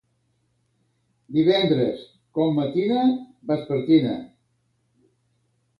Divendres, com matina, vespertina.